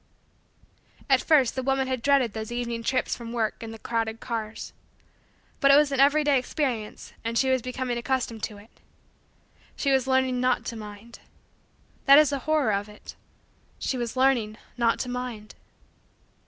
At first the woman had dreaded those evening trips from work in the crowded cars. But it was an everyday experience and she was becoming accustomed to it. She was learning not to mind. That is the horror of it _she was learning not to mind.